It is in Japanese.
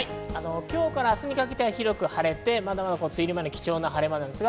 今日から明日にかけて広く晴れて、梅雨入り前の貴重な晴れです。